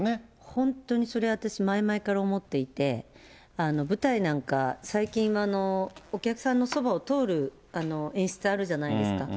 本当にそれは私、前々から思っていて、舞台なんか最近、お客さんのそばを通る演出あるじゃないですか。